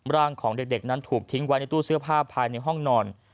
ร่างของเด็กนั้นถูกทิ้งไว้ในตู้เสื้อผ้าภายในห้องนอน